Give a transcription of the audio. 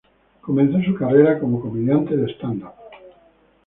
Comenzó su carrera como comediante de stand-up.